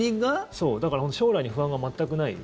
そう、だから将来に不安が全くない。